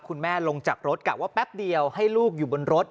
คุณแม่ลงจากรถกลับว่าแป๊บเดียวให้ลูกอยู่บนรถ